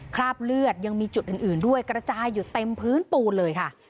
คราบเลือดยังมีจุดอื่นด้วยกระจายอยู่เต็มพื้นปูนเลยค่ะ